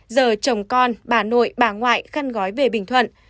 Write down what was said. giờ chồng con bà nội bà ngoại khăn gói về bình thuận